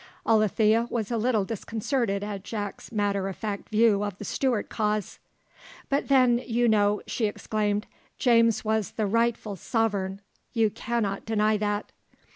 Alethea was a little disconcerted at Jack's matter of fact view of the Stuart cause. "But then, you know," she exclaimed, "James was the rightful sovereign; you cannot deny that."